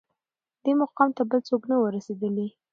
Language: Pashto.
دې مقام ته بل څوک نه وه رسېدلي